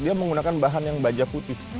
dia menggunakan bahan yang baja putih